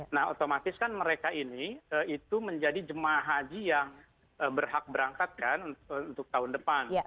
nah otomatis kan mereka ini itu menjadi jemaah haji yang berhak berangkat kan untuk tahun depan